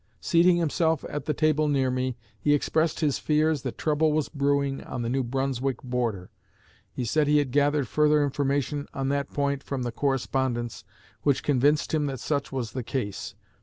Seating himself at the table near me, he expressed his fears that trouble was brewing on the New Brunswick border; he said he had gathered further information on that point from the correspondence, which convinced him that such was the case.